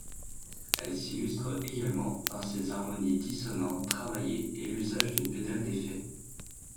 Elle s'illustre également par ses harmonies dissonantes travaillées et l'usage d'une pédale d'effet.